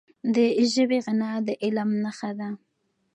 د ژبي غنا د علم نښه ده.